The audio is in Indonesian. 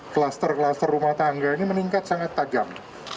kluster kluster rumah tangga ini meningkat sangat tajam